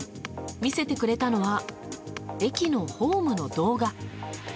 見せてくれたのは駅のホームの動画。